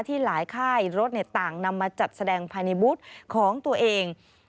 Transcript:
หลายค่ายรถต่างนำมาจัดแสดงภายในบูธของตัวเอง